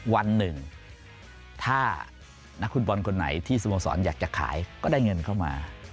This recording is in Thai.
วันหนึ่งถ้านักฟุตบอลคนไหนที่สโมสรอยากจะขายก็ได้เงินเข้ามา